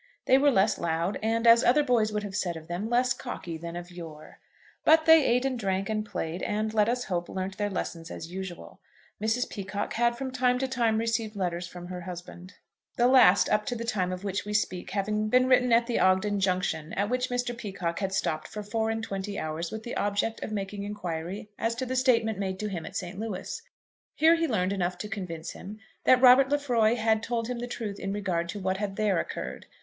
They were less loud, and, as other boys would have said of them, less "cocky" than of yore. But they ate and drank and played, and, let us hope, learnt their lessons as usual. Mrs. Peacocke had from time to time received letters from her husband, the last up to the time of which we speak having been written at the Ogden Junction, at which Mr. Peacocke had stopped for four and twenty hours with the object of making inquiry as to the statement made to him at St. Louis. Here he learned enough to convince him that Robert Lefroy had told him the truth in regard to what had there occurred.